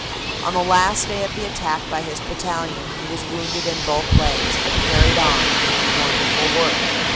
On the last day of the attack by his battalion, he was wounded in both legs, but carried on, doing wonderful work.